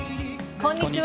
こんにちは。